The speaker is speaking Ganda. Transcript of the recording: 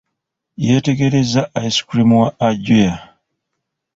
Yeetegereza ice cream wa Ajua.